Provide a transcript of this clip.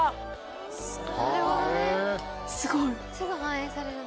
すごい。